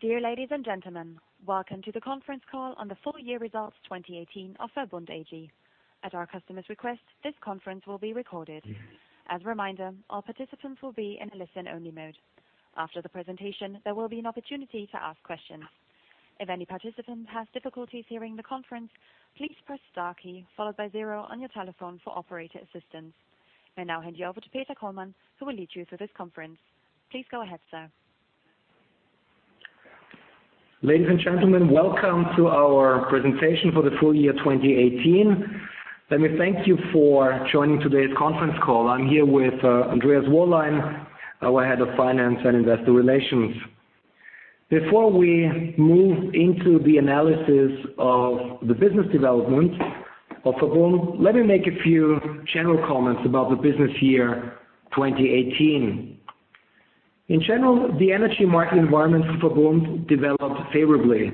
Dear ladies and gentlemen, welcome to the conference call on the full year results 2018 of VERBUND AG. At our customer's request, this conference will be recorded. As a reminder, our participants will be in a listen-only mode. After the presentation, there will be an opportunity to ask questions. If any participant has difficulties hearing the conference, please press star key followed by zero on your telephone for operator assistance. May now hand you over to Peter Kollmann, who will lead you through this conference. Please go ahead, sir. Ladies and gentlemen, welcome to our presentation for the full year 2018. Let me thank you for joining today's conference call. I am here with Andreas Wollein, our head of finance and investor relations. Before we move into the analysis of the business development of VERBUND, let me make a few general comments about the business year 2018. In general, the energy market environment for VERBUND developed favorably.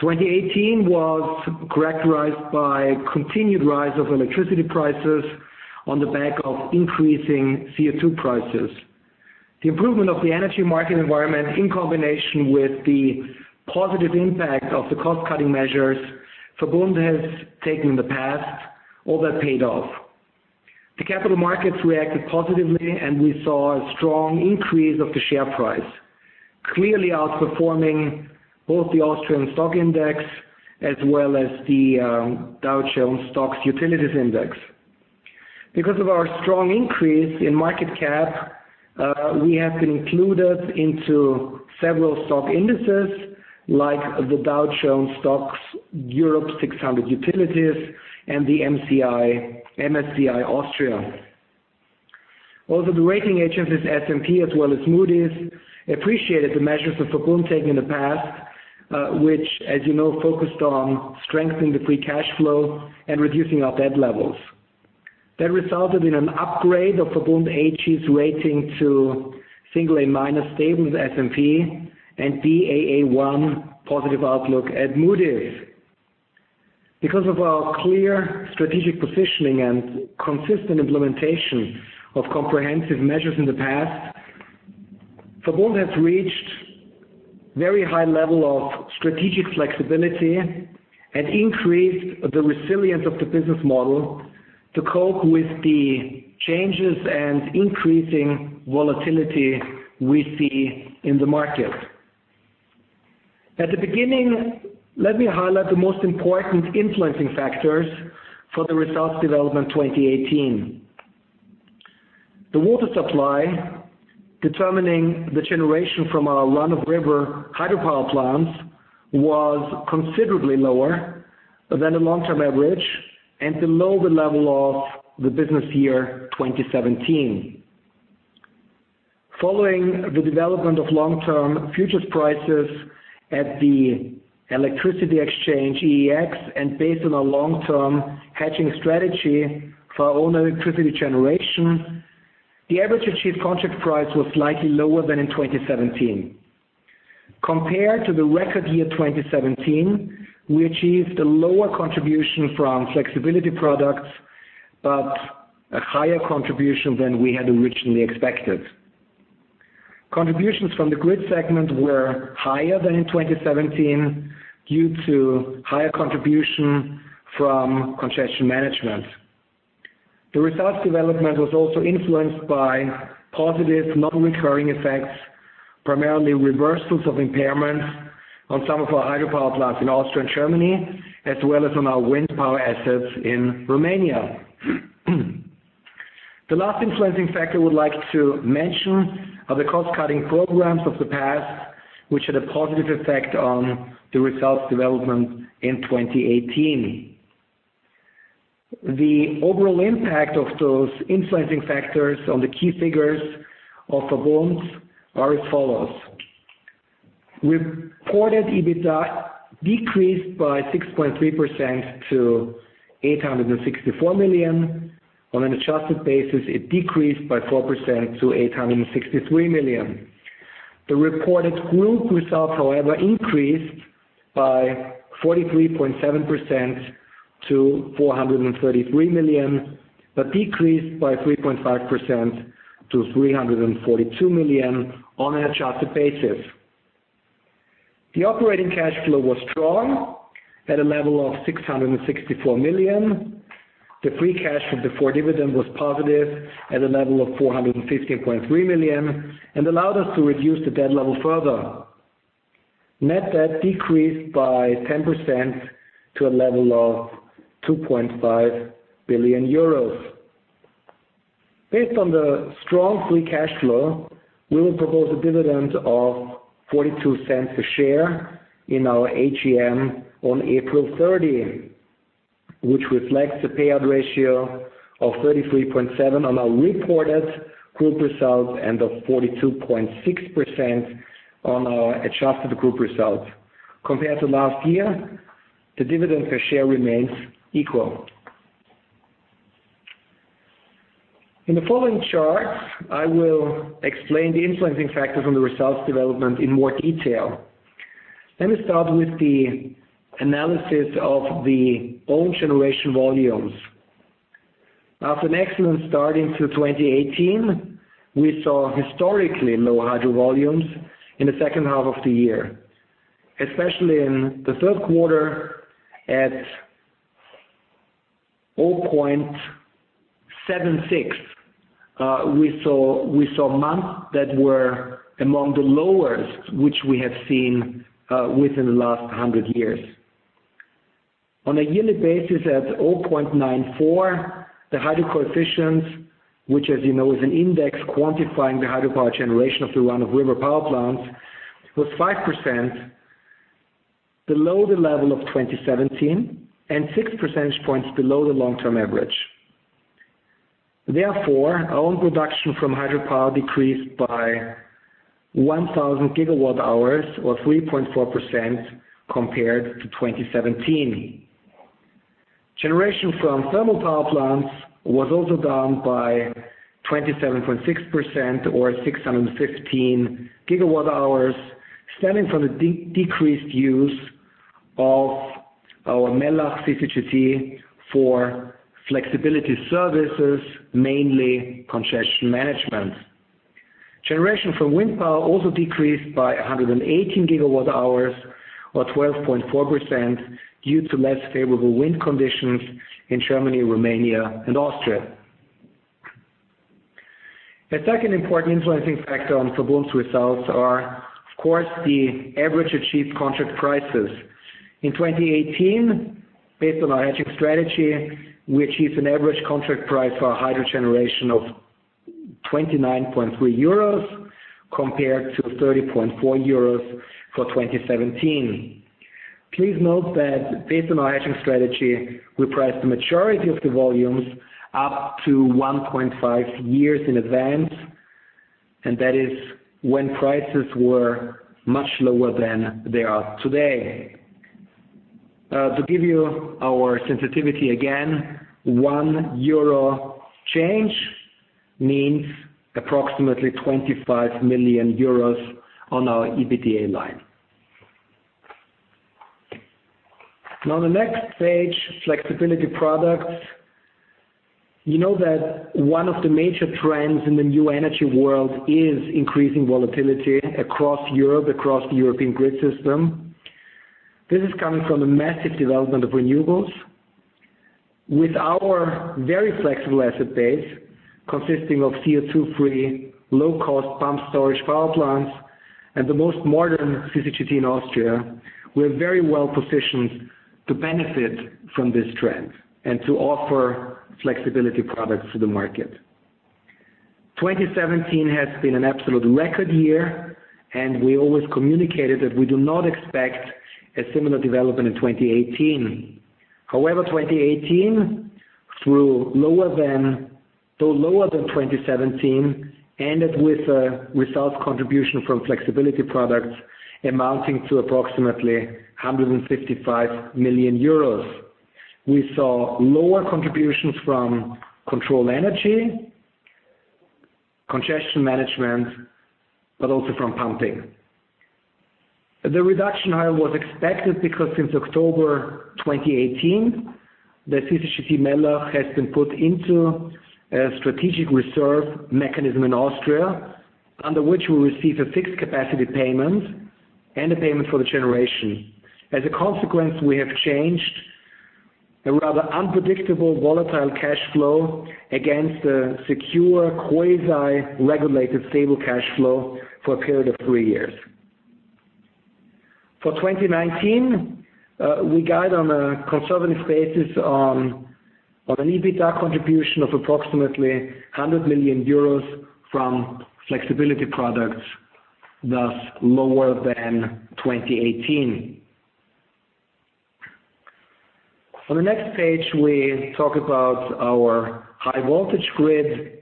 2018 was characterized by continued rise of electricity prices on the back of increasing CO2 prices. The improvement of the energy market environment, in combination with the positive impact of the cost-cutting measures VERBUND has taken in the past, all that paid off. The capital markets reacted positively, and we saw a strong increase of the share price, clearly outperforming both the Austrian stock index as well as the Dow Jones STOXX Utilities index. Because of our strong increase in market cap, we have been included into several stock indices, like the STOXX Europe 600 Utilities and the MSCI Austria. Also, the rating agencies S&P as well as Moody's appreciated the measures that VERBUND took in the past, which, as you know, focused on strengthening the free cash flow and reducing our debt levels. That resulted in an upgrade of VERBUND AG's rating to A- stable with S&P and Baa1 positive outlook at Moody's. Because of our clear strategic positioning and consistent implementation of comprehensive measures in the past, VERBUND has reached very high level of strategic flexibility and increased the resilience of the business model to cope with the changes and increasing volatility we see in the market. At the beginning, let me highlight the most important influencing factors for the results development 2018. The water supply determining the generation from our run-of-river hydropower plants was considerably lower than the long-term average and below the level of the business year 2017. Following the development of long-term futures prices at the electricity exchange, EEX, and based on our long-term hedging strategy for our own electricity generation, the average achieved contract price was slightly lower than in 2017. Compared to the record year 2017, we achieved a lower contribution from flexibility products, but a higher contribution than we had originally expected. Contributions from the grid segment were higher than in 2017 due to higher contribution from congestion management. The results development was also influenced by positive non-recurring effects, primarily reversals of impairments on some of our hydropower plants in Austria and Germany, as well as on our wind power assets in Romania. The last influencing factor I would like to mention are the cost-cutting programs of the past, which had a positive effect on the results development in 2018. The overall impact of those influencing factors on the key figures of VERBUND are as follows. Reported EBITDA decreased by 6.3% to 864 million. On an adjusted basis, it decreased by 4% to 863 million. The reported group results, however, increased by 43.7% to 433 million, but decreased by 3.5% to 342 million on an adjusted basis. The operating cash flow was strong at a level of 664 million. The free cash before dividend was positive at a level of 450.3 million and allowed us to reduce the debt level further. Net debt decreased by 10% to a level of 2.5 billion euros. Based on the strong free cash flow, we will propose a dividend of 0.42 a share in our AGM on April 30, which reflects the payout ratio of 33.7% on our reported group results and of 42.6% on our adjusted group results. Compared to last year, the dividend per share remains equal. In the following charts, I will explain the influencing factors on the results development in more detail. Let me start with the analysis of the own generation volumes. After an excellent start into 2018, we saw historically low hydro volumes in the second half of the year, especially in the third quarter at 0.76. We saw months that were among the lowest, which we have seen within the last 100 years. On a yearly basis, at 0.94, the hydro coefficient, which as you know, is an index quantifying the hydropower generation of the run-of-river power plants, was 5% below the level of 2017 and six percentage points below the long-term average. Therefore, our own production from hydropower decreased by 1,000 gigawatt hours or 3.4% compared to 2017. Generation from thermal power plants was also down by 27.6% or 615 gigawatt hours, stemming from the decreased use of our Mellach CCGT for flexibility services, mainly congestion management. Generation from wind power also decreased by 118 gigawatt hours or 12.4% due to less favorable wind conditions in Germany, Romania and Austria. The second important influencing factor on VERBUND's results are, of course, the average achieved contract prices. In 2018, based on our hedging strategy, we achieved an average contract price for our hydro generation of 29.3 euros compared to 30.4 euros for 2017. Please note that based on our hedging strategy, we priced the majority of the volumes up to 1.5 years in advance, that is when prices were much lower than they are today. To give you our sensitivity again, 1 euro change means approximately 25 million euros on our EBITDA line. Now on the next page, flexibility products. You know that one of the major trends in the new energy world is increasing volatility across Europe, across the European grid system. This is coming from the massive development of renewables. With our very flexible asset base consisting of CO2-free, low-cost pumped storage power plants and the most modern CCGT in Austria, we are very well positioned to benefit from this trend and to offer flexibility products to the market. 2017 has been an absolute record year, we always communicated that we do not expect a similar development in 2018. However, 2018, though lower than 2017, ended with a results contribution from flexibility products amounting to approximately 155 million euros. We saw lower contributions from control energy, congestion management, but also from pumping. The reduction here was expected because since October 2018, the CCGT Mellach has been put into a strategic reserve mechanism in Austria, under which we receive a fixed capacity payment and a payment for the generation. As a consequence, we have changed a rather unpredictable, volatile cash flow against a secure, quasi-regulated, stable cash flow for a period of three years. For 2019, we guide on a conservative basis on an EBITDA contribution of approximately 100 million euros from flexibility products, thus lower than 2018. On the next page, we talk about our high voltage grid.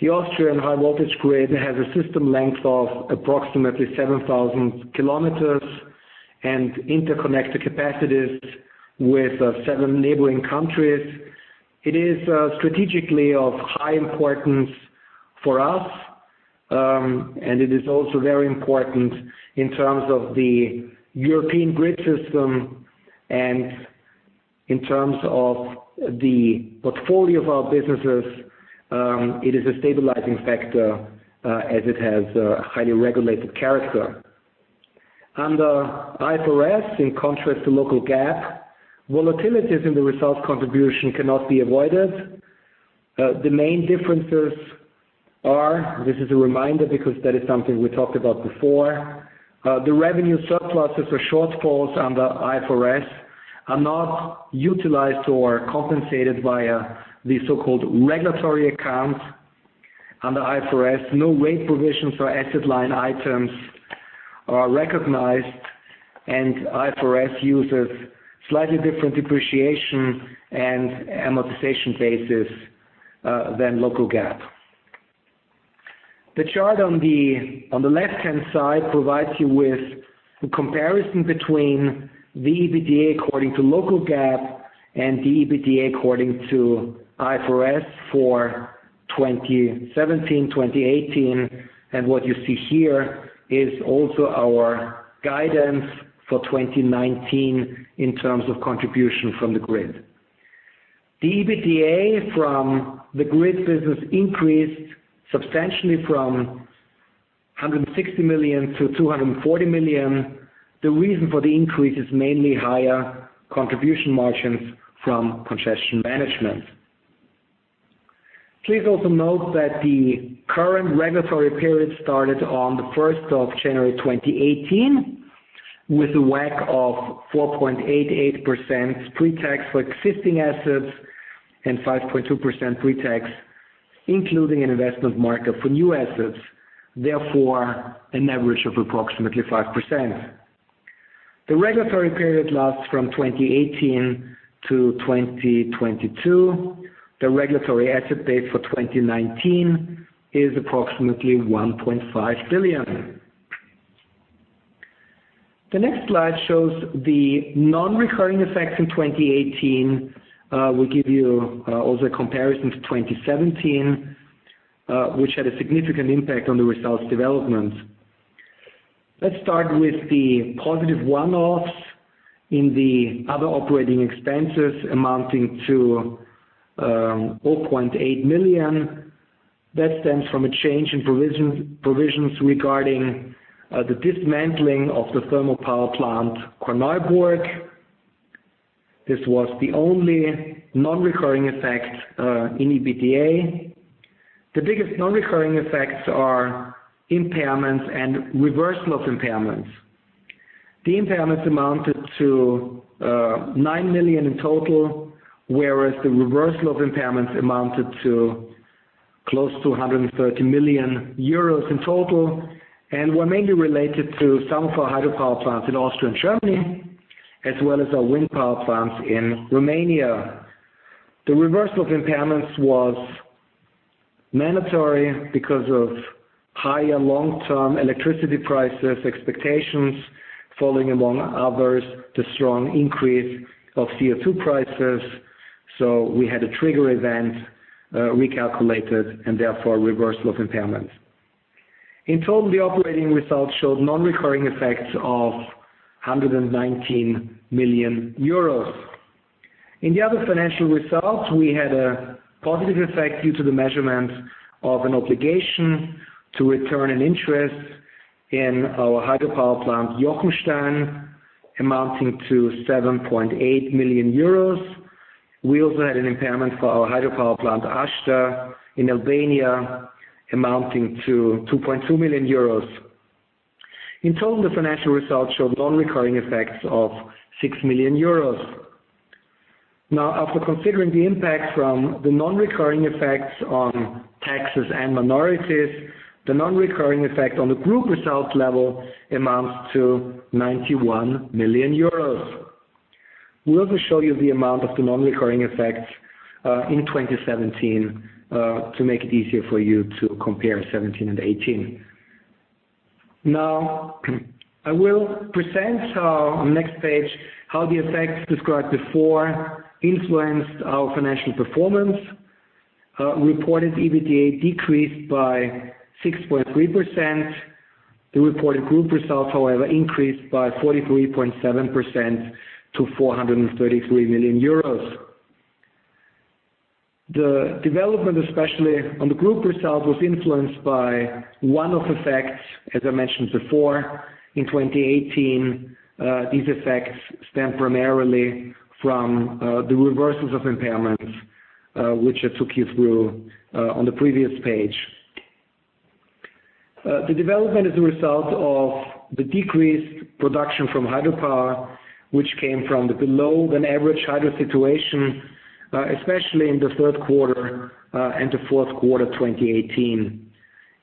The Austrian high voltage grid has a system length of approximately 7,000 kilometers and interconnected capacities with seven neighboring countries. It is strategically of high importance for us, and it is also very important in terms of the European grid system and in terms of the portfolio of our businesses. It is a stabilizing factor as it has a highly regulated character. Under IFRS, in contrast to local GAAP, volatilities in the results contribution cannot be avoided. The main differences are, this is a reminder because that is something we talked about before, the revenue surpluses or shortfalls under IFRS are not utilized or compensated via the so-called regulatory accounts under IFRS. No rate provisions for asset line items are recognized, and IFRS uses slightly different depreciation and amortization basis than local GAAP. The chart on the left-hand side provides you with a comparison between the EBITDA according to local GAAP and the EBITDA according to IFRS for 2017, 2018, and what you see here is also our guidance for 2019 in terms of contribution from the grid. The EBITDA from the grid business increased substantially from 160 million to 240 million. The reason for the increase is mainly higher contribution margins from congestion management. Please also note that the current regulatory period started on the 1st of January 2018 with a WACC of 4.88% pre-tax for existing assets and 5.2% pre-tax, including an investment markup for new assets, therefore, an average of approximately 5%. The regulatory period lasts from 2018 to 2022. The regulatory asset base for 2019 is approximately 1.5 billion. The next slide shows the non-recurring effects in 2018. We give you also a comparison to 2017, which had a significant impact on the results development. Let's start with the positive one-offs in the other operating expenses amounting to 0.8 million. That stems from a change in provisions regarding the dismantling of the thermal power plant, Korneuburg. This was the only non-recurring effect in EBITDA. The biggest non-recurring effects are impairments and reversal of impairments. The impairments amounted to nine million in total, whereas the reversal of impairments amounted to close to 130 million euros in total and were mainly related to some of our hydropower plants in Austria and Germany, as well as our wind power plants in Romania. The reversal of impairments was mandatory because of higher long-term electricity prices expectations following, among others, the strong increase of CO2 prices. We had a trigger event recalculated and therefore reversal of impairments. In total, the operating results showed non-recurring effects of 119 million euros. In the other financial results, we had a positive effect due to the measurement of an obligation to return an interest in our hydropower plant, Jochenstein, amounting to 7.8 million euros. We also had an impairment for our hydropower plant, Ashta, in Albania amounting to 2.2 million euros. In total, the financial results showed non-recurring effects of 6 million euros. After considering the impact from the non-recurring effects on taxes and minorities, the non-recurring effect on the group results level amounts to 91 million euros. We also show you the amount of the non-recurring effects in 2017, to make it easier for you to compare 2017 and 2018. I will present on the next page how the effects described before influenced our financial performance. Reported EBITDA decreased by 6.3%. The reported group results, however, increased by 43.7% to EUR 433 million. The development, especially on the group results, was influenced by one-off effects, as I mentioned before, in 2018. These effects stem primarily from the reversals of impairments, which I took you through on the previous page. The development is a result of the decreased production from hydropower, which came from the below-than-average hydro situation, especially in the third quarter and the fourth quarter 2018.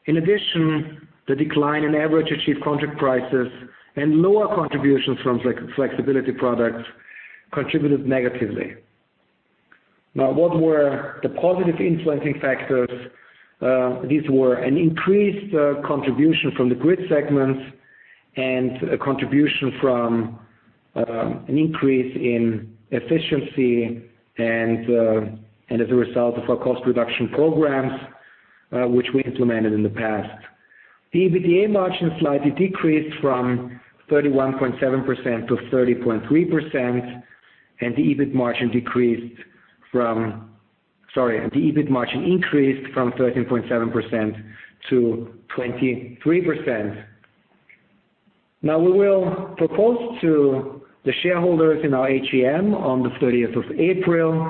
In addition, the decline in average achieved contract prices and lower contributions from flexibility products contributed negatively. What were the positive influencing factors? These were an increased contribution from the grid segments and a contribution from an increase in efficiency and as a result of our cost reduction programs, which we implemented in the past. The EBITDA margin slightly decreased from 31.7%-30.3%, and the EBIT margin increased from 13.7%-23%. We will propose to the shareholders in our AGM on the 30th of April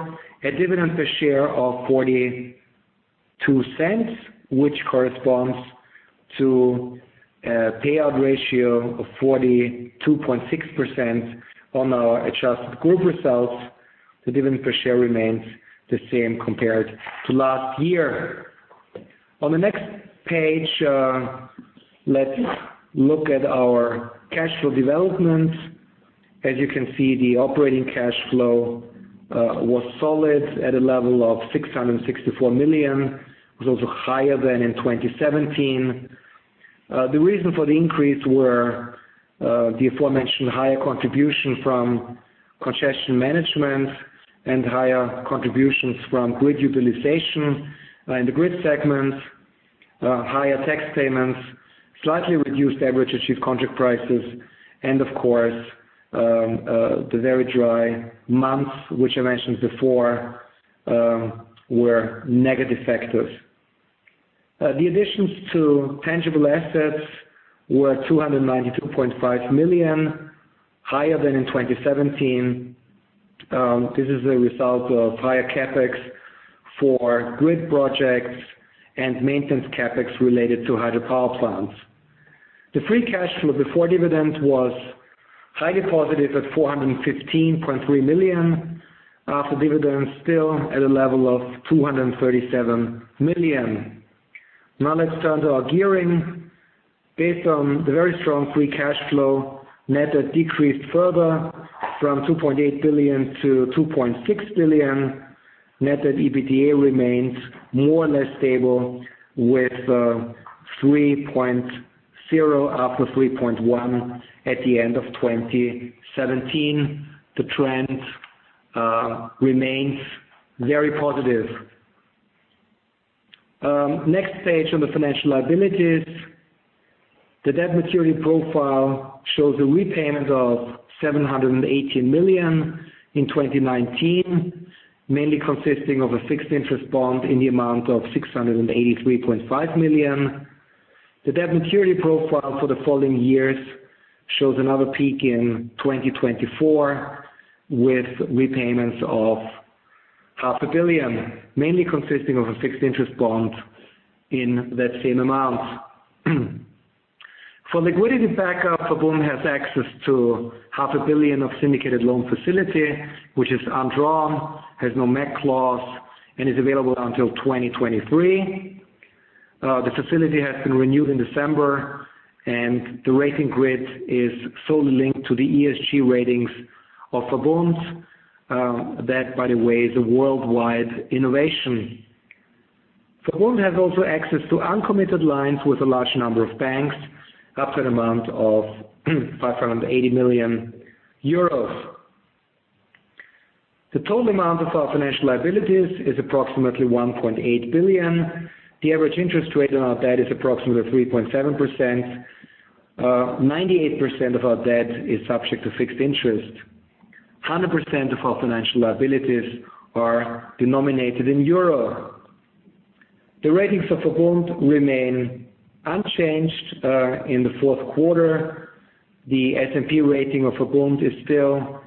a dividend per share of 0.42, which corresponds to a payout ratio of 42.6% on our adjusted group results. The dividend per share remains the same compared to last year. On the next page, let's look at our cash flow development. As you can see, the operating cash flow was solid at a level of 664 million. It was also higher than in 2017. The reason for the increase were the aforementioned higher contribution from congestion management and higher contributions from grid utilization in the grid segments, higher tax payments, slightly reduced average achieved contract prices, and of course, the very dry months, which I mentioned before, were negative factors. The additions to tangible assets were 292.5 million, higher than in 2017. This is a result of higher CapEx for grid projects and maintenance CapEx related to hydropower plants. The free cash flow before dividends was highly positive at 415.3 million. After dividends, still at a level of 237 million. Let's turn to our gearing. Based on the very strong free cash flow, net debt decreased further from 2.8 billion-2.6 billion. Net debt EBITDA remains more or less stable with 3.0 after 3.1 at the end of 2017. The trend remains very positive. Next page on the financial liabilities. The debt maturity profile shows a repayment of 718 million in 2019, mainly consisting of a fixed interest bond in the amount of 683.5 million. The debt maturity profile for the following years shows another peak in 2024, with repayments of half a billion, mainly consisting of a fixed interest bond in that same amount. For liquidity backup, VERBUND has access to half a billion of syndicated loan facility, which is undrawn, has no MAC clause, is available until 2023. The facility has been renewed in December, the rating grid is solely linked to the ESG ratings of VERBUND. That, by the way, is a worldwide innovation. VERBUND has also access to uncommitted lines with a large number of banks, up to the amount of 580 million euros. The total amount of our financial liabilities is approximately 1.8 billion. The average interest rate on our debt is approximately 3.7%. 98% of our debt is subject to fixed interest. 100% of our financial liabilities are denominated in EUR. The ratings of VERBUND remain unchanged in the fourth quarter. The S&P rating of VERBUND is still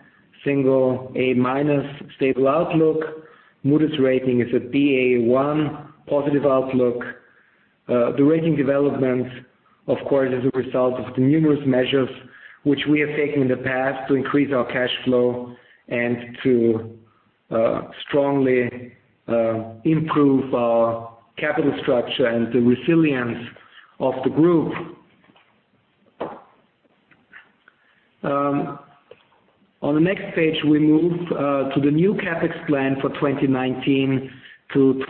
single A minus, stable outlook. Moody's rating is a Baa1, positive outlook. The rating development, of course, is a result of the numerous measures which we have taken in the past to increase our cash flow and to strongly improve our capital structure and the resilience of the group. On the next page, we move to the new CapEx plan for 2019 to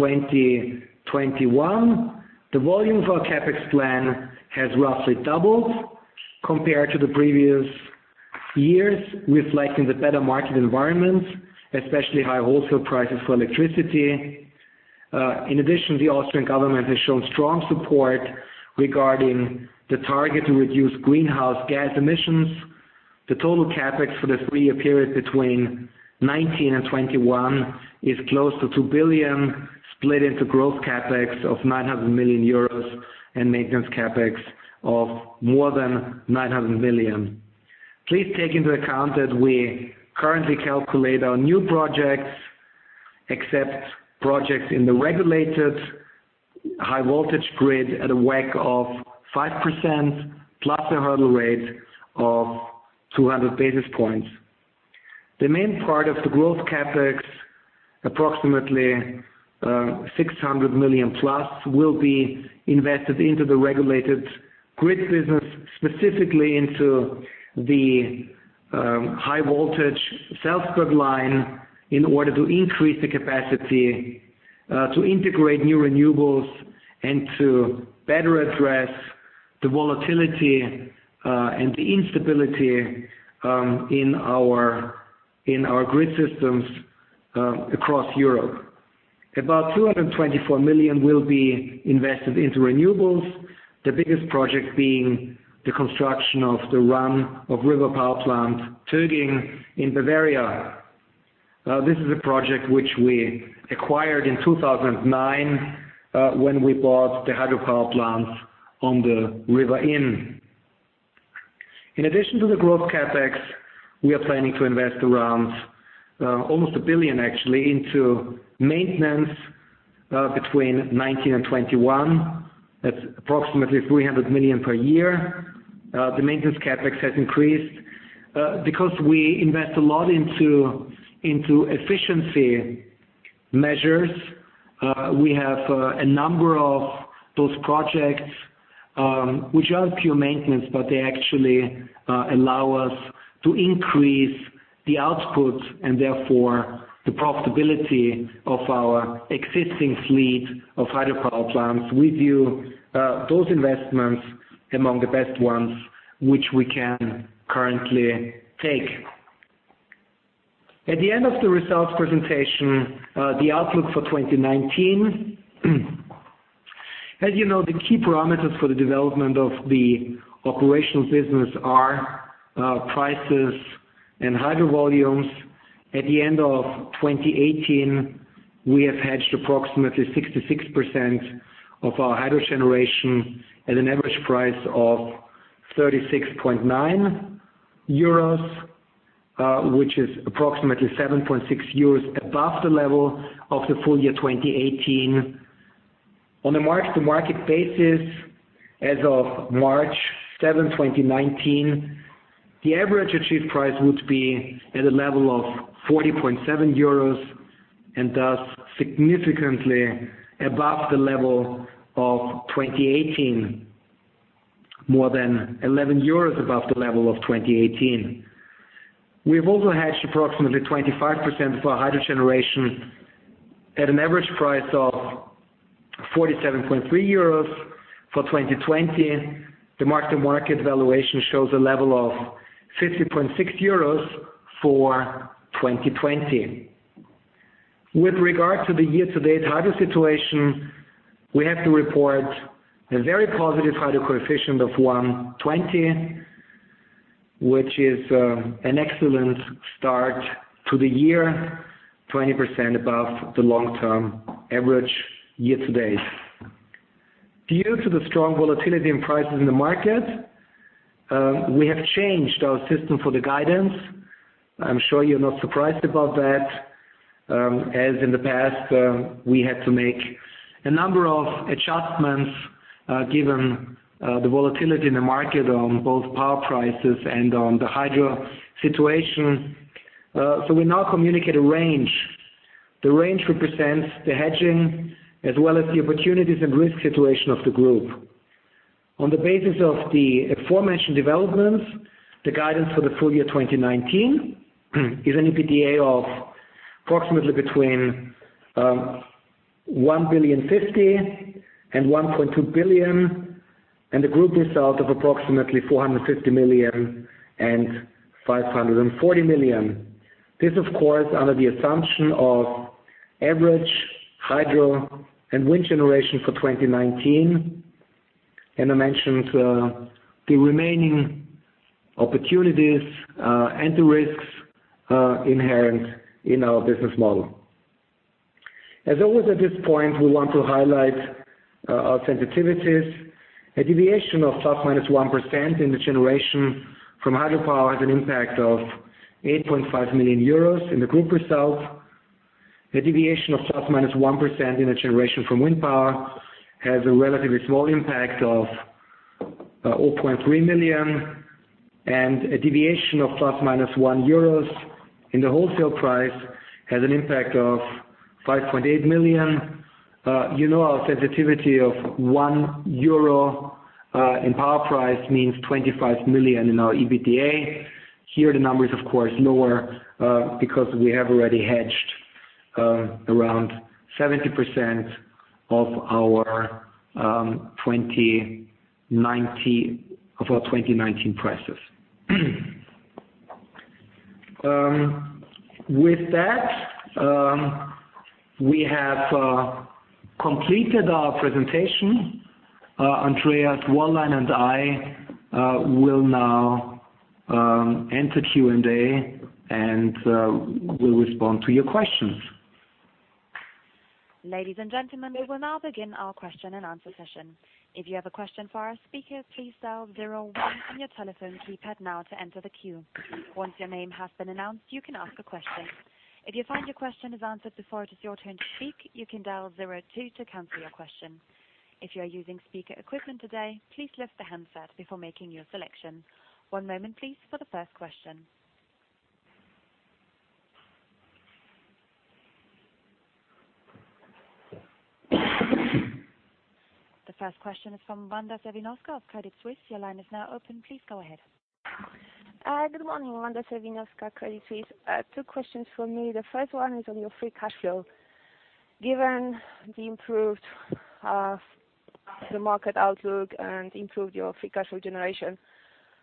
2021. The volume of our CapEx plan has roughly doubled compared to the previous years, reflecting the better market environment, especially high wholesale prices for electricity. The Austrian government has shown strong support regarding the target to reduce greenhouse gas emissions. The total CapEx for the three-year period between 2019 and 2021 is close to 2 billion, split into growth CapEx of 900 million euros and maintenance CapEx of more than 900 million. Please take into account that we currently calculate our new projects, except projects in the regulated high voltage grid, at a WACC of 5% plus a hurdle rate of 200 basis points. The main part of the growth CapEx, approximately 600 million plus, will be invested into the regulated grid business, specifically into the high voltage South Grid Line, in order to increase the capacity to integrate new renewables and to better address the volatility and the instability in our grid systems across Europe. About 224 million will be invested into renewables, the biggest project being the construction of the run-of-river power plant, Töging, in Bavaria. This is a project which we acquired in 2009, when we bought the hydropower plant on the River Inn. In addition to the growth CapEx, we are planning to invest around almost 1 billion, actually, into maintenance between 2019 and 2021. That's approximately 300 million per year. The maintenance CapEx has increased because we invest a lot into efficiency measures. We have a number of those projects which aren't pure maintenance, but they actually allow us to increase the output and therefore the profitability of our existing fleet of hydropower plants. We view those investments among the best ones which we can currently take. At the end of the results presentation, the outlook for 2019. As you know, the key parameters for the development of the operations business are prices and hydro volumes. At the end of 2018, we have hedged approximately 66% of our hydro generation at an average price of 36.9 euros, which is approximately 7.6 euros above the level of the full year 2018. On a mark-to-market basis, as of March 7, 2019, the average achieved price would be at a level of 40.7 euros and thus significantly above the level of 2018, more than EUR 11 above the level of 2018. We've also hedged approximately 25% of our hydro generation at an average price of 47.3 euros for 2020. The mark-to-market valuation shows a level of 50.6 euros for 2020. With regard to the year-to-date hydro situation, we have to report a very positive hydro coefficient of 120, which is an excellent start to the year, 20% above the long-term average year to date. Due to the strong volatility in prices in the market, we have changed our system for the guidance. I'm sure you're not surprised about that, as in the past, we had to make a number of adjustments, given the volatility in the market on both power prices and on the hydro situation. We now communicate a range. The range represents the hedging as well as the opportunities and risk situation of the group. On the basis of the aforementioned developments, the guidance for the full year 2019 is an EBITDA of approximately between 1.05 billion and 1.2 billion, and the group result of approximately 450 million and 540 million. This, of course, under the assumption of average hydro and wind generation for 2019, and I mentioned the remaining opportunities and the risks inherent in our business model. As always, at this point, we want to highlight our sensitivities. A deviation of plus minus 1% in the generation from hydropower has an impact of 8.5 million euros in the group results. A deviation of plus minus 1% in the generation from wind power has a relatively small impact of 0.3 million, and a deviation of plus minus 1 euros in the wholesale price has an impact of 5.8 million. You know our sensitivity of 1 euro in power price means 25 million in our EBITDA. Here, the number is, of course, lower because we have already hedged around 70% of our 2019 prices. With that, we have completed our presentation. Andreas Wollein and I will now enter Q&A and will respond to your questions. Ladies and gentlemen, we will now begin our question and answer session. If you have a question for our speakers, please dial zero one on your telephone keypad now to enter the queue. Once your name has been announced, you can ask a question. If you find your question is answered before it is your turn to speak, you can dial zero two to cancel your question. If you are using speaker equipment today, please lift the handset before making your selection. One moment, please, for the first question. The first question is from Wanda Serwinowska of Credit Suisse. Your line is now open. Please go ahead. Good morning, Wanda Serwinowska, Credit Suisse. Two questions from me. The first one is on your free cash flow. Given the improved market outlook and improved your free cash flow generation,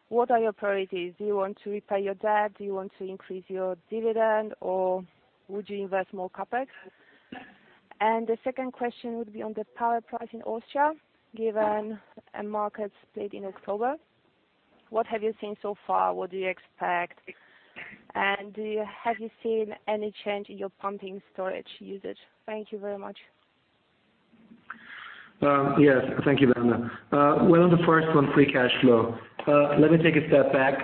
what are your priorities? Do you want to repay your debt? Do you want to increase your dividend, or would you invest more CapEx? The second question would be on the power price in Austria, given a market split in October. What have you seen so far? What do you expect? Have you seen any change in your pumped storage usage? Thank you very much. Yes. Thank you, Wanda. Well, on the first one, free cash flow. Let me take a step back.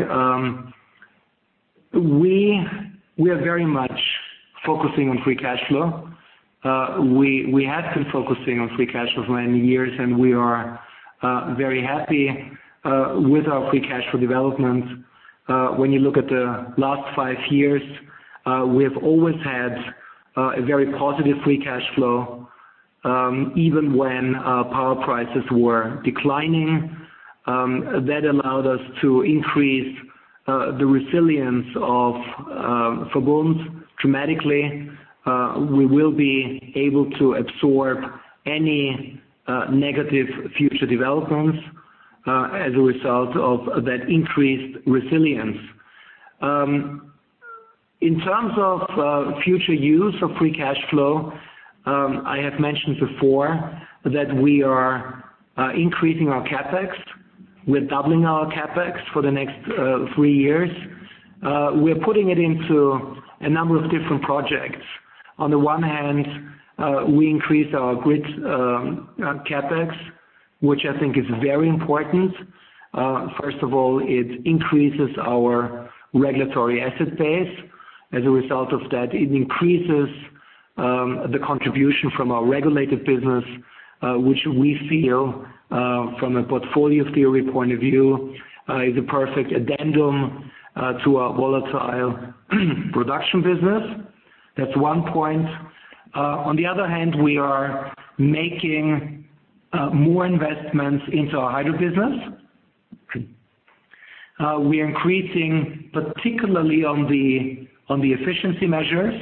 We are very much focusing on free cash flow. We have been focusing on free cash flow for many years, and we are very happy with our free cash flow development. When you look at the last five years. We have always had a very positive free cash flow, even when power prices were declining. That allowed us to increase the resilience of VERBUND dramatically. We will be able to absorb any negative future developments as a result of that increased resilience. In terms of future use of free cash flow, I have mentioned before that we are increasing our CapEx. We're doubling our CapEx for the next three years. We're putting it into a number of different projects. On the one hand, we increase our grid CapEx, which I think is very important. First of all, it increases our regulatory asset base. As a result of that, it increases the contribution from our regulated business, which we feel, from a portfolio theory point of view, is a perfect addendum to our volatile production business. That's one point. On the other hand, we are making more investments into our hydro business. We are increasing particularly on the efficiency measures,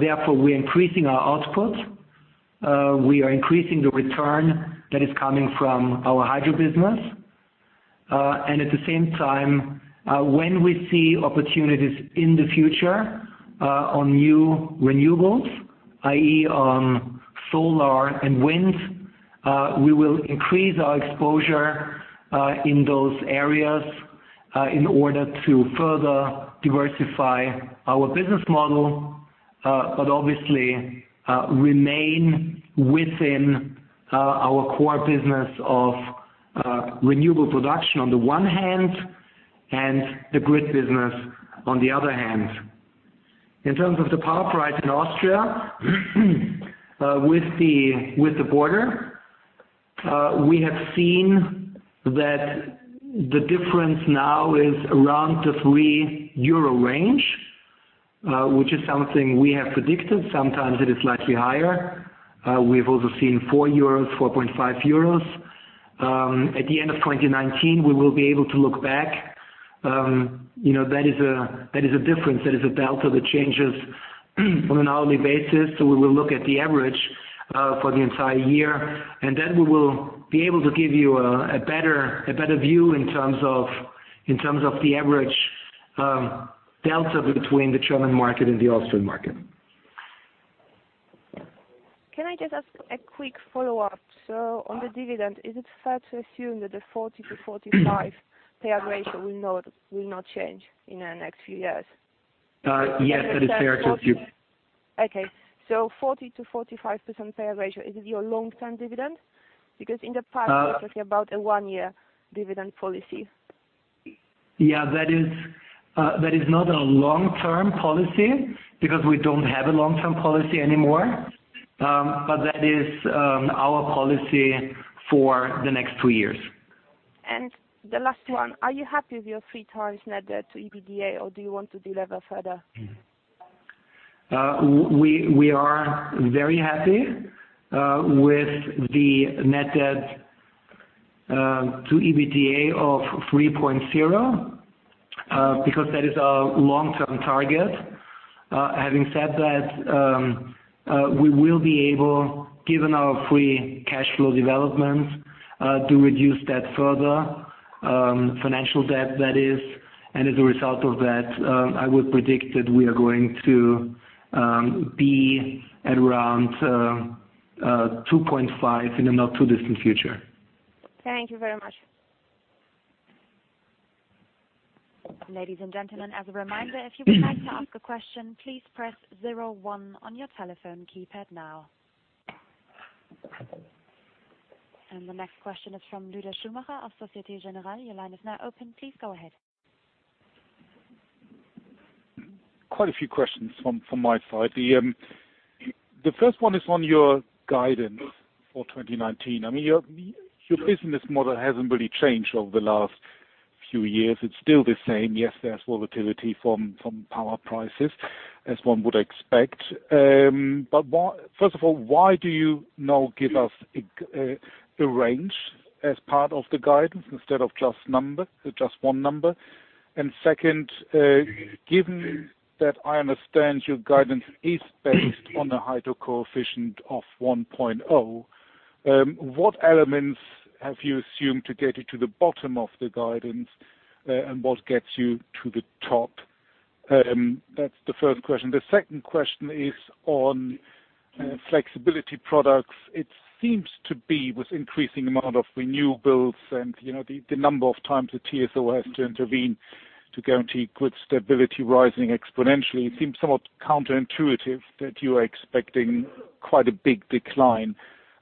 therefore we're increasing our output. We are increasing the return that is coming from our hydro business. At the same time, when we see opportunities in the future on new renewables, i.e., on solar and wind, we will increase our exposure in those areas in order to further diversify our business model, but obviously remain within our core business of renewable production on the one hand, and the grid business on the other hand. In terms of the power price in Austria, with the border, we have seen that the difference now is around the three-euro range, which is something we have predicted. Sometimes it is slightly higher. We've also seen 4 euros, 4.5 euros. At the end of 2019, we will be able to look back. That is a difference, that is a delta that changes on an hourly basis, so we will look at the average for the entire year. We will be able to give you a better view in terms of the average delta between the German market and the Austrian market. Can I just ask a quick follow-up? On the dividend, is it fair to assume that the 40%-45% payout ratio will not change in the next few years? Yes, that is fair to assume. Okay. 40%-45% payout ratio, is it your long-term dividend? Because in the past, you were talking about a one-year dividend policy. Yeah, that is not a long-term policy, because we don't have a long-term policy anymore. That is our policy for the next two years. The last one, are you happy with your three times net debt to EBITDA, or do you want to delever further? We are very happy with the net debt to EBITDA of 3.0, because that is our long-term target. Having said that, we will be able, given our free cash flow development, to reduce debt further, financial debt that is, and as a result of that, I would predict that we are going to be at around 2.5 in the not-too-distant future. Thank you very much. Ladies and gentlemen, as a reminder, if you would like to ask a question, please press 01 on your telephone keypad now. The next question is from Lüder Schumacher of Société Générale. Your line is now open. Please go ahead. Quite a few questions from my side. The first one is on your guidance for 2019. I mean, your business model hasn't really changed over the last few years. It's still the same. Yes, there's volatility from power prices, as one would expect. First of all, why do you now give us a range as part of the guidance instead of just one number? Second, given that I understand your guidance is based on a hydro coefficient of 1.0, what elements have you assumed to get you to the bottom of the guidance, and what gets you to the top? That's the first question. The second question is on flexibility products. It seems to be, with increasing amount of renewables and the number of times the TSO has to intervene to guarantee grid stability rising exponentially, it seems somewhat counterintuitive that you are expecting quite a big decline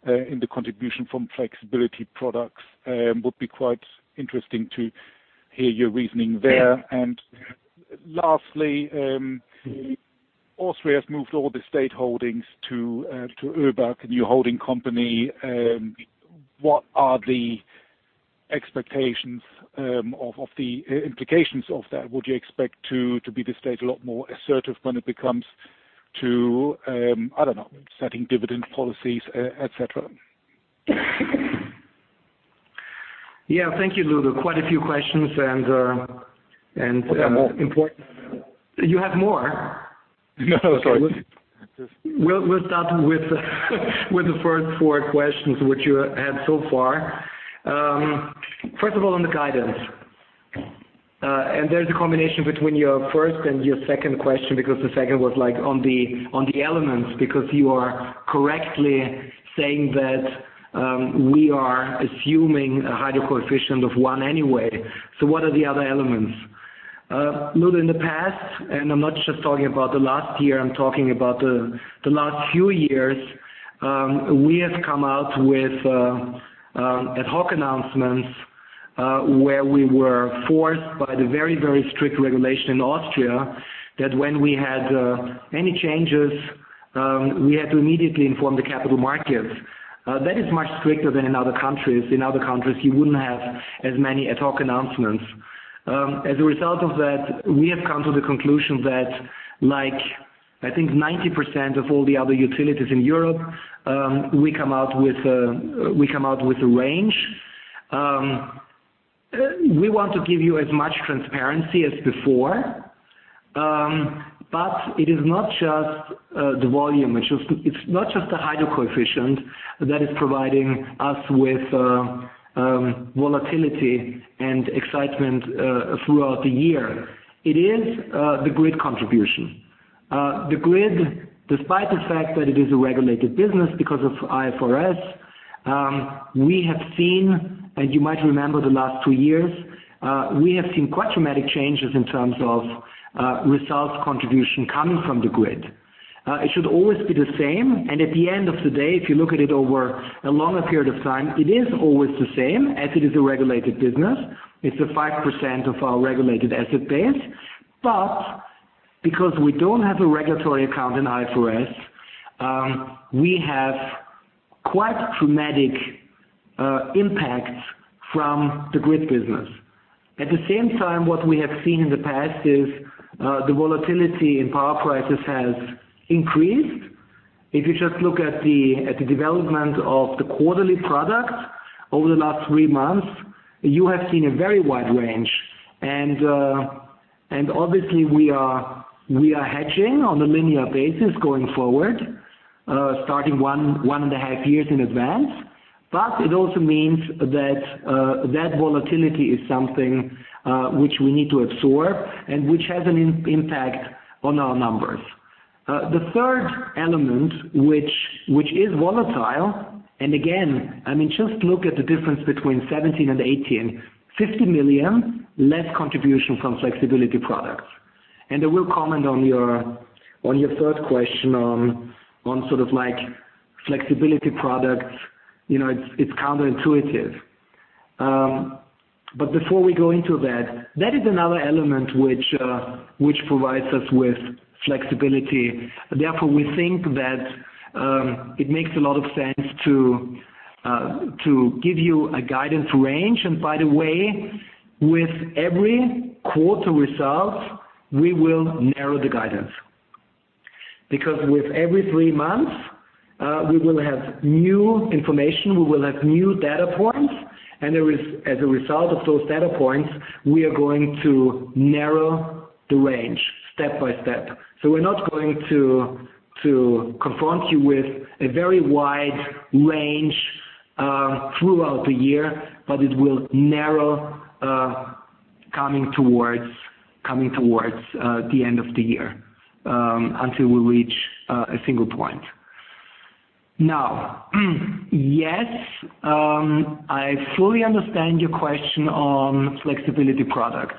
in the contribution from flexibility products. Would be quite interesting to hear your reasoning there. Lastly, Austria has moved all the state holdings to ÖBAG, the new holding company. What are the expectations of the implications of that? Would you expect to be the state a lot more assertive when it comes to, I don't know, setting dividend policies, et cetera? Yeah, thank you, Lüder. Quite a few questions. I have more important. You have more? No. Sorry. We'll start with the first four questions which you had so far. First of all, on the guidance. There's a combination between your first and your second question because the second was on the elements, because you are correctly saying that we are assuming a hydro coefficient of one anyway. What are the other elements? Lüder, in the past, and I'm not just talking about the last year, I'm talking about the last few years, we have come out with ad hoc announcements, where we were forced by the very, very strict regulation in Austria that when we had any changes, we had to immediately inform the capital markets. That is much stricter than in other countries. In other countries, you wouldn't have as many ad hoc announcements. As a result of that, we have come to the conclusion that, I think 90% of all the other utilities in Europe, we come out with a range. We want to give you as much transparency as before, but it is not just the volume, it's not just the hydro coefficient that is providing us with volatility and excitement throughout the year. It is the grid contribution. The grid, despite the fact that it is a regulated business because of IFRS, we have seen, and you might remember the last two years, we have seen quite dramatic changes in terms of results contribution coming from the grid. It should always be the same, and at the end of the day, if you look at it over a longer period of time, it is always the same as it is a regulated business. It's the 5% of our regulated asset base. Because we don't have a regulatory account in IFRS, we have quite dramatic impacts from the grid business. At the same time, what we have seen in the past is the volatility in power prices has increased. If you just look at the development of the quarterly product over the last three months, you have seen a very wide range. Obviously we are hedging on a linear basis going forward, starting one and a half years in advance. It also means that volatility is something which we need to absorb and which has an impact on our numbers. The third element, which is volatile, again, just look at the difference between 2017 and 2018. 50 million less contribution from flexibility products. I will comment on your third question on flexibility products. It's counterintuitive. Before we go into that is another element which provides us with flexibility. Therefore, we think that it makes a lot of sense to give you a guidance range. By the way, with every quarter result, we will narrow the guidance. With every three months, we will have new information, we will have new data points, as a result of those data points, we are going to narrow the range step by step. We're not going to confront you with a very wide range throughout the year, it will narrow coming towards the end of the year, until we reach a single point. Yes, I fully understand your question on flexibility products.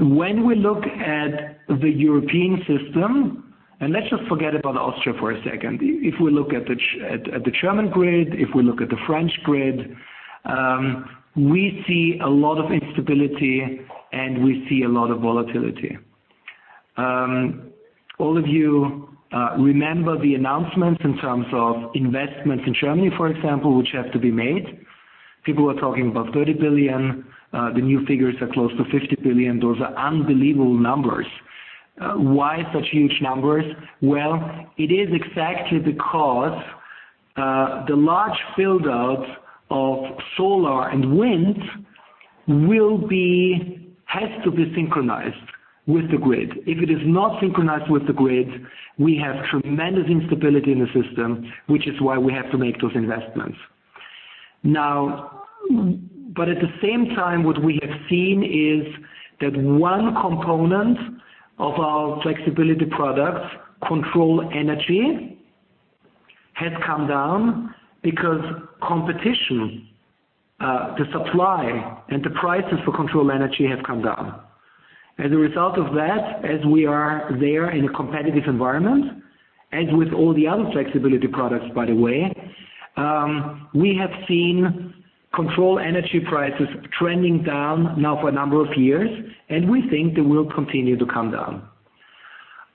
When we look at the European system, let's just forget about Austria for a second. We look at the German grid, we look at the French grid, we see a lot of instability, we see a lot of volatility. All of you remember the announcements in terms of investments in Germany, for example, which have to be made. People were talking about 30 billion. The new figures are close to 50 billion. Those are unbelievable numbers. Why such huge numbers? It is exactly because the large build-out of solar and wind has to be synchronized with the grid. It is not synchronized with the grid, we have tremendous instability in the system, which is why we have to make those investments. At the same time, what we have seen is that one component of our flexibility products, control energy, has come down because competition, the supply and the prices for control energy have come down. As a result of that, as we are there in a competitive environment, as with all the other flexibility products, by the way, we have seen control energy prices trending down now for a number of years, and we think they will continue to come down.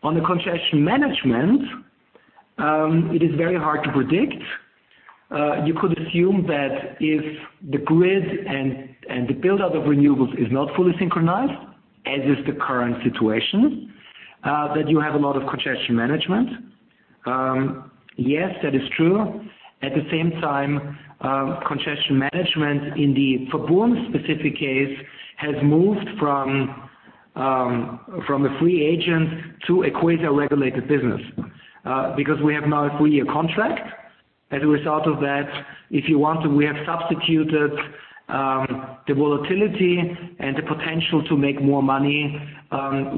On the congestion management, it is very hard to predict. You could assume that if the grid and the buildup of renewables is not fully synchronized, as is the current situation, that you have a lot of congestion management. Yes, that is true. At the same time, congestion management in the VERBUND specific case has moved from a free agent to a quasi-regulated business, because we have now a full-year contract. As a result of that, if you want to, we have substituted the volatility and the potential to make more money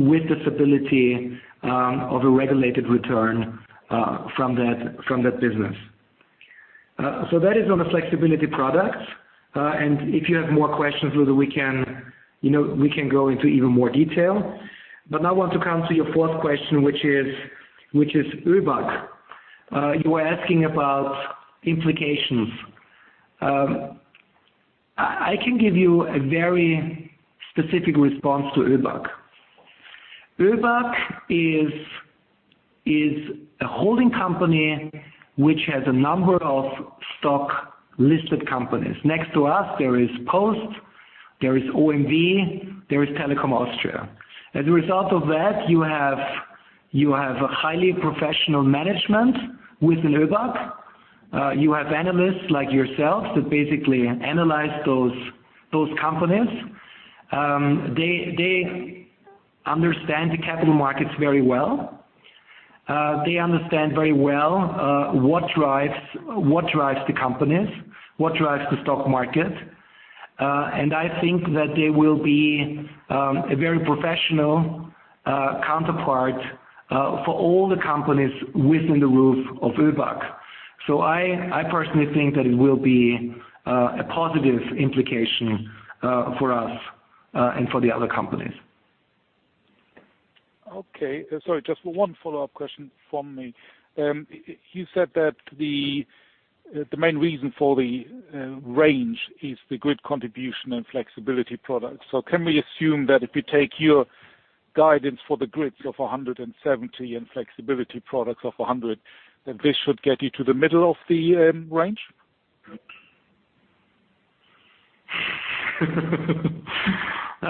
with the stability of a regulated return from that business. That is on the flexibility products. If you have more questions, Lüder, we can go into even more detail. Now I want to come to your fourth question, which is ÖBAG. You were asking about implications. I can give you a very specific response to ÖBAG. ÖBAG is a holding company which has a number of stock-listed companies. Next to us, there is Post, there is OMV, there is Telekom Austria. As a result of that, you have a highly professional management within ÖBAG. You have analysts like yourselves that basically analyze those companies. They understand the capital markets very well. They understand very well what drives the companies, what drives the stock market. I think that they will be a very professional counterpart for all the companies within the roof of ÖBAG. I personally think that it will be a positive implication for us and for the other companies. Okay. Sorry, just one follow-up question from me. You said that the main reason for the range is the grid contribution and flexibility products. Can we assume that if you take your guidance for the grids of 170 and flexibility products of 100, that this should get you to the middle of the range? Udo, this is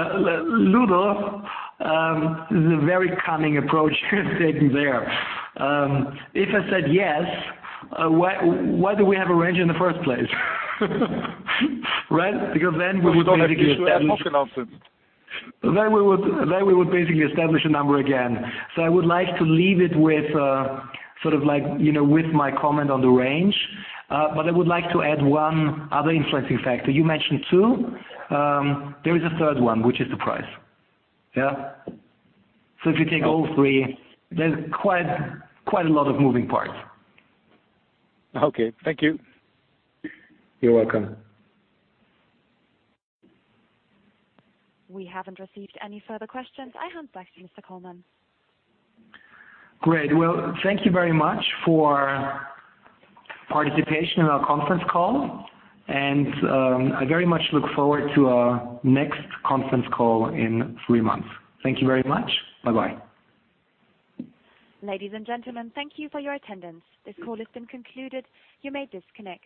a very cunning approach you're taking there. If I said yes, why do we have a range in the first place? Right? Then we would basically establish a number again. I would like to leave it with my comment on the range. I would like to add one other influencing factor. You mentioned two. There is a third one, which is the price. Yeah? If you take all three, there's quite a lot of moving parts. Okay. Thank you. You're welcome. We haven't received any further questions. I hand back to Mr. Kollmann. Great. Well, thank you very much for participation in our conference call. I very much look forward to our next conference call in three months. Thank you very much. Bye-bye. Ladies and gentlemen, thank you for your attendance. This call has been concluded. You may disconnect.